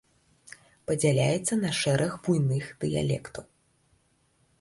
Падзяляецца на шэраг буйных дыялектаў.